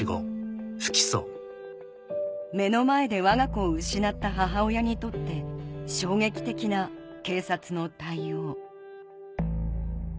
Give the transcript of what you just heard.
目の前でわが子を失った母親にとって衝撃的な警察の対応